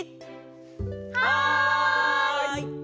はい！